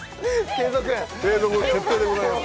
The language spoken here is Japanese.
継続決定でございます